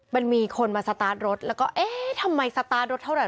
มันมีคนมาสตาร์ทรถแล้วก็เอ๊ะทำไมสตาร์ทรถเท่าไห